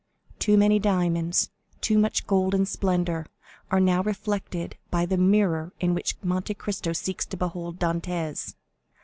Too many diamonds, too much gold and splendor, are now reflected by the mirror in which Monte Cristo seeks to behold Dantès.